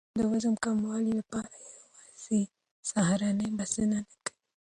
د وزن کمولو لپاره یوازې سهارنۍ بسنه نه کوي.